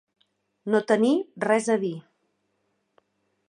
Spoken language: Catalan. No tenir res a dir.